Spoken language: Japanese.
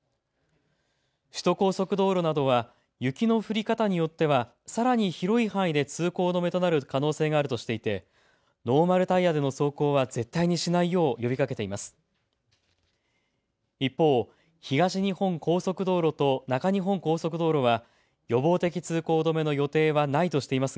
首都高速道路などは雪の降り方によっては、さらに広い範囲で通行止めとなる可能性があるとしていてノーマルタイヤでの走行は絶対にしないよう呼びかけています。